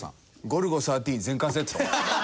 『ゴルゴ１３』全巻セット。